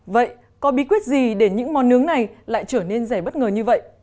vậy có bí quyết gì để những món nướng này lại trở nên rẻ bất ngờ như vậy